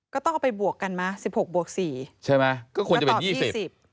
ก็ต้องเอาไปบวกกันมาสิบหกบวกสี่ใช่ไหมก็ควรจะเป็นยี่สิบสิบ